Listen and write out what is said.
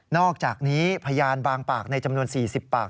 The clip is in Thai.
อกจากนี้พยานบางปากในจำนวน๔๐ปาก